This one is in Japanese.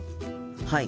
はい。